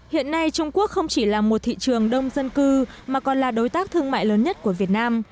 hiện nay trung quốc không chỉ là một thị trường đông dân cư mà còn là đối tác thương mại lớn nhất của việt nam